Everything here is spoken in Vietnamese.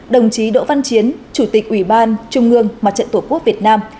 đồng chí đỗ văn chiến chủ tịch ủy ban trung ương mặt trận tổ quốc việt nam